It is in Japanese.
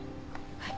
はい。